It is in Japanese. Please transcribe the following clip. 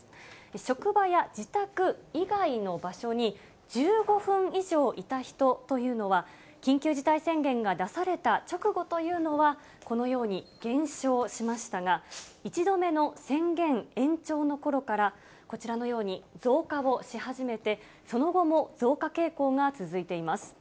職場や自宅以外の場所に１５分以上いた人というのは、緊急事態宣言が出された直後というのは、このように減少しましたが、１度目の宣言延長のころから、こちらのように、増加をし始めて、その後も増加傾向が続いています。